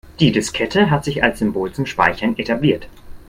Die Diskette hat sich als Symbol zum Speichern etabliert.